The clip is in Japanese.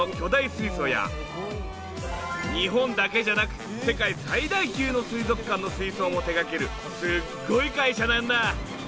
日本だけじゃなく世界最大級の水族館の水槽も手掛けるすっごい会社なんだ。